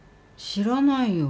知らないよ。